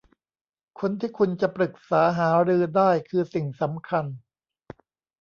คนที่คุณจะปรึกษาหารือได้คือสิ่งสำคัญ